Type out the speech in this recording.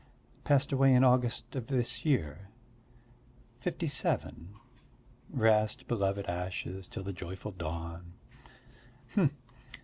"Passed away in August of this year ... fifty seven.... Rest, beloved ashes, till the joyful dawn!"